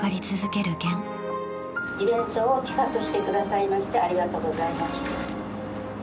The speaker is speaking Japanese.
イベントを企画してくださいましてありがとうございます。